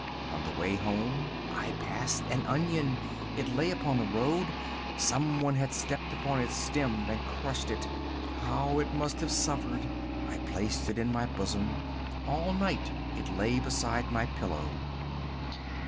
On the way home I passed an onion. It lay upon the road. Someone had stepped upon its stem and crushed it. How it must have suffered. I placed it in my bosom. All night it lay beside my pillow.